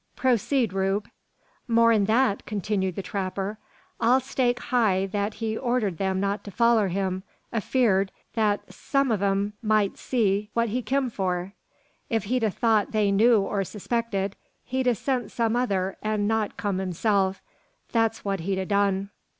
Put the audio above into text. "Proceed, Rube!" "More'n that," continued the trapper, "I'll stake high thet he ordered them not to foller him, afeerd thet some on 'em mout see what he kim for. If he'd a thought they knew or suspected, he'd 'a sent some other, an' not kum himself; that's what he'd 'a done."